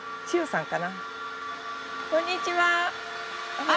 こんにちは。